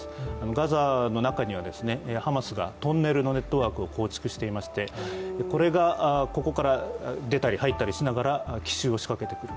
ガザの中にはハマスがトンネルのネットワークを構築していましてこれがここから出たり入ったりしながら奇襲を仕掛けてくる。